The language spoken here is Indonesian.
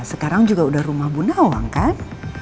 sekarang juga udah rumah bunawang kan